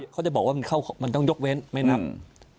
เขาจะบอกว่ามันต้องยกเว้นไม่นับ